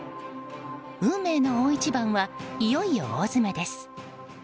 運命の大一番はいよいよ大詰めです。